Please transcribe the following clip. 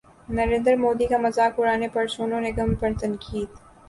نریندر مودی کا مذاق اڑانے پر سونو نگم پر تنقید